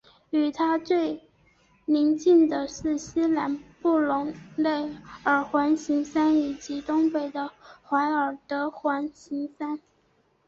与它最邻近的是西南的布隆内尔环形山以及东北的怀尔德环形山。